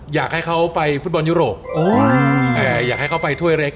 อยากให้เขาไปฟุตบอลยุโรปอยากให้เขาไปถ้วยเล็ก